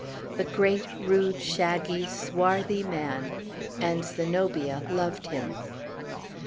The great, rude, shaggy, swarthy man! And Zenobia loved him!